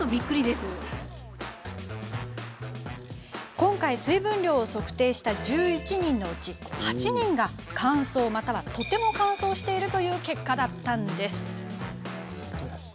今回、水分量を測定した１１人のうち８人が乾燥、またはとても乾燥しているという結果だったんです。